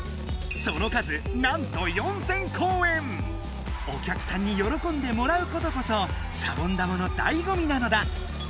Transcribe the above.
その数なんとおきゃくさんによろこんでもらうことこそシャボン玉のだいごみなのだ。